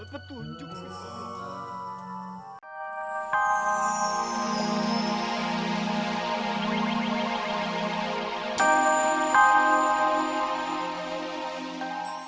bilalah hamba petunjuk ya allah